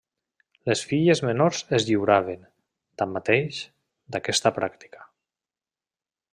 Les filles menors es lliuraven, tanmateix, d'aquesta pràctica.